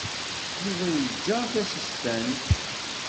Yuba iga tasestant.